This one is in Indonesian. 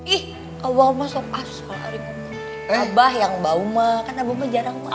ih abah mah sok asal hari ini abah yang bau mah kan abah mah jarang mandi